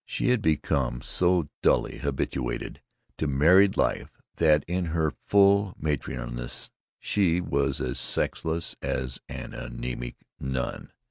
She had become so dully habituated to married life that in her full matronliness she was as sexless as an anemic nun.